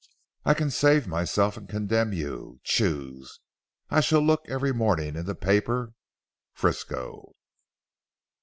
I can save myself and condemn you. Choose. I shall look every morning in the paper. FRISCO."